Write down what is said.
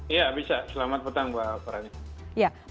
iya bisa selamat petang mbak fani